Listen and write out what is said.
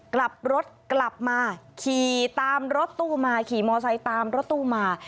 กลับรถกลับมาขี่ตามรถตู้มาขี่มอไซค์ตามรถตู้มา